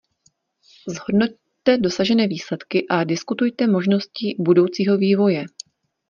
Zhodnoťte dosažené výsledky a diskutujte možnosti budoucího vývoje.